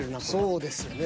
そうですよね。